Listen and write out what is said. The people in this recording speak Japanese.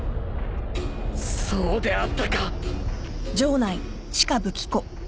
そうであったか！